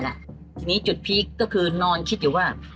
ทีนี้จุดพีคก็คือนอนคิดอยู่ว่า